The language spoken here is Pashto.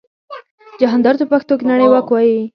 جهاندار ته په پښتو کې نړیواک وايي.